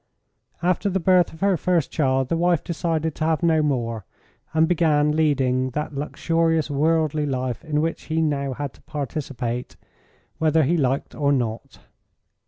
After the birth of her first child the wife decided to have no more, and began leading that luxurious worldly life in which he now had to participate whether he liked or not.